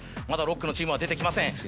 まだロックのチームは出てきません。